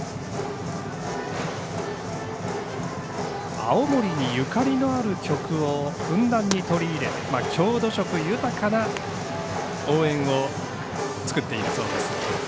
青森にゆかりのある曲をふんだんに取り入れて郷土色豊かな応援を作っています。